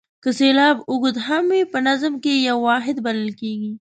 که سېلاب اوږد هم وي په نظم کې یو واحد بلل کیږي.